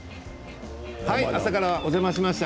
朝からお邪魔しました。